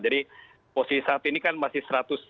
jadi posisi saat ini kan masih satu ratus tiga puluh enam